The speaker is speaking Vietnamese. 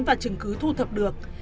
và chứng cứ thu thập được